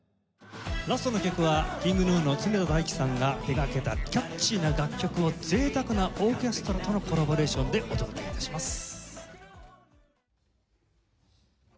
ラストの曲はＫｉｎｇＧｎｕの常田大希さんが手がけたキャッチーな楽曲を贅沢なオーケストラとのコラボレーションでお届け致します。